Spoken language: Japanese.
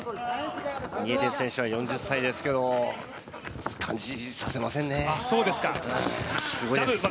ニエテス選手は４０歳ですけど、感じさせませんね、すごいです。